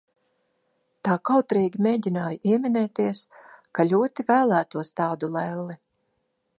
Tā kautrīgi mēģināju ieminēties, ka ļoti vēlētos tādu lelli.